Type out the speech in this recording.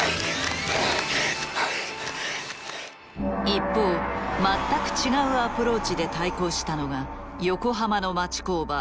一方全く違うアプローチで対抗したのが横浜の町工場